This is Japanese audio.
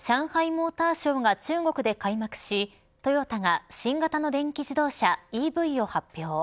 モーターショーが中国で開幕しトヨタが新型の電気自動車ＥＶを発表。